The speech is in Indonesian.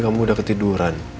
kamu udah ketiduran